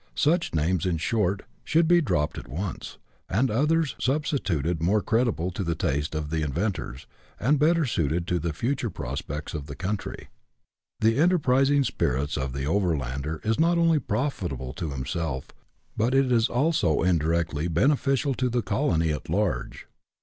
Such names, in 146 BUSH LIFE IJf AUSTRALIA. [chap. xiit. short, should be dropped at once, and others substituted more creditable to the taste of the inventors, and better suited to the future prospects of the country. The enterprising spirit of the overlander is not only profitable to himself, but it is also indirectly beneficial to the colony at large.